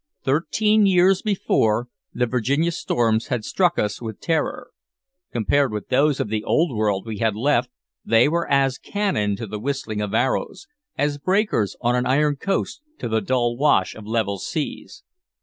Thirteen years before, the Virginia storms had struck us with terror. Compared with those of the Old World we had left, they were as cannon to the whistling of arrows, as breakers on an iron coast to the dull wash of level seas.